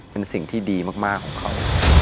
เป็นสิ่งที่ดีมากของเขา